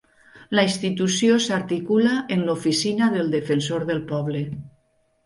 La institució s'articula en l'Oficina del Defensor del Poble.